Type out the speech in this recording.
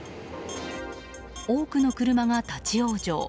多くの車が立ち往生。